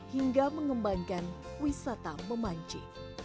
hingga mengembangkan wisata memanji